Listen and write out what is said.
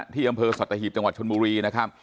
ที่อำเภอสัตหีบจังหวัดชนบุรีนะครับ